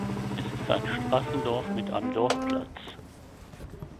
Es ist ein Straßendorf mit einem Dorfplatz.